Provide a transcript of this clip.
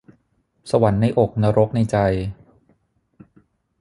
สวรรค์ในอกนรกในใจ